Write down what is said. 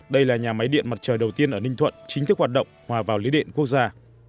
đây là nhà máy điện mặt trời đầu tiên ở ninh thuận chính thức hoạt động hòa vào lưới điện quốc gia